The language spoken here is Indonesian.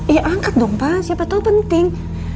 ya angkat dong pak siapa tau penting